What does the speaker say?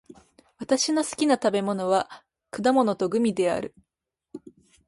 私の好きな食べ物は果物とグミである。